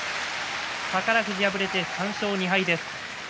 宝富士敗れて３勝２敗です。